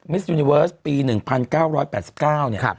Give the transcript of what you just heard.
สยูนิเวิร์สปี๑๙๘๙เนี่ย